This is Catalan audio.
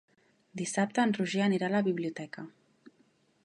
Dissabte en Roger anirà a la biblioteca.